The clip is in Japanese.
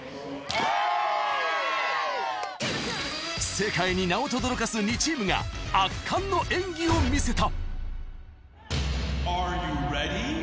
世界に名をとどろかす２チームが圧巻の演技を見せたＡｒｅｙｏｕｒｅａｄｙ？